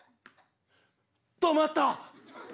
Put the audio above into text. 止まった！